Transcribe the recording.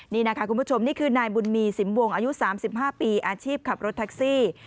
นี่นะคะคุณผู้ชมนี่คือนายบุญมีสิมวงอายุ๓๕ปีอาชีพขับรถแท็กซี่